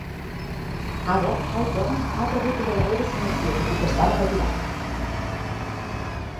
Ara Hawthorne ha rebut una darrera assignació tot i que estava retirat.